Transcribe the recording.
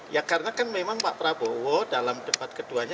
ya karena kan memang pak prabowo dalam debat keduanya